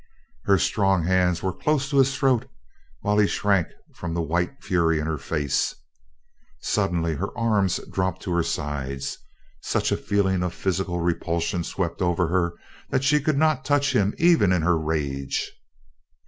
Her strong hands were close to his throat while he shrank from the white fury in her face. Suddenly her arms dropped to her sides. Such a feeling of physical repulsion swept over her that she could not touch him even in her rage.